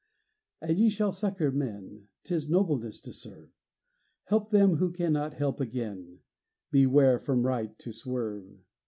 And ye shall succor men; 'Tis nobleness to serve; Help them who cannot help again: Beware from right to swerve.